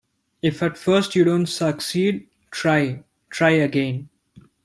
If at first you don't succeed, try, try again.